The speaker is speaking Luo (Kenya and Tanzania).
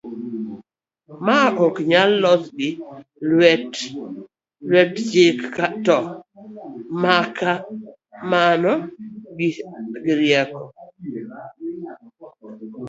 mae ok nyal los gi lwet chik to maka mana gi rieko